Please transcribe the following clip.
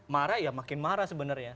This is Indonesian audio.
marah ya makin marah sebenarnya